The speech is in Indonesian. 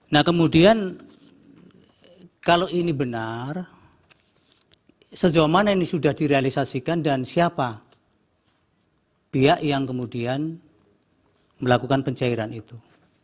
nah kemudian kalau ini benar sejauh mana ini sudah direalisasikan dan siapa pihak yang kemudian melakukan pencairan itu